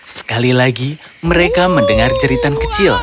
sekali lagi mereka mendengar jeritan kecil